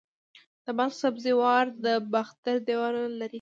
د بلخ سبزې وار د باختر دیوالونه لري